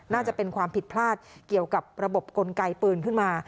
น่าจะเป็นความผิดพลาดเกี่ยวกับระบบกลไกปืนขึ้นมา